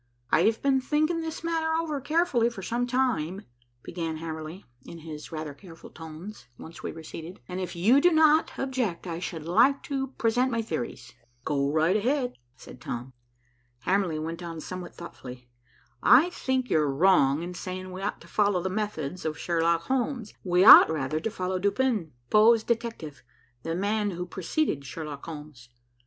"I have been thinking this matter over carefully for some time," began Hamerly, in his rather careful tones, once we were seated, "and if you do not object I should like to present my theories." "Go right ahead," said Tom. Hamerly went on somewhat thoughtfully. "I think you are wrong in saying we ought to follow the methods of Sherlock Holmes. We ought rather to follow Dupin, Poe's detective, the man who preceded Sherlock Holmes.